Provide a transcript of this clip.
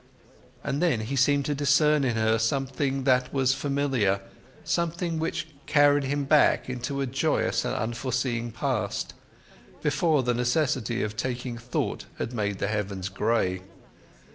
And then he seemed to discern in her something that was familiar, something which carried him back into a joyous and unforeseeing past, before the necessity of taking thought had made the heavens gray.